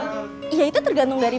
kita bisa melakukan hal lain